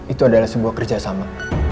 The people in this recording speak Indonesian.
itu adalah sebuah kerjasama